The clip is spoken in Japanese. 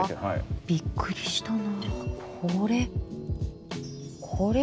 びっくりしたな。